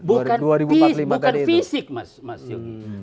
bukan fisik mas yogi